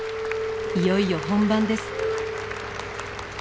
いよいよ本番です